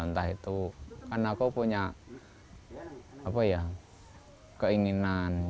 entah itu kan aku punya keinginan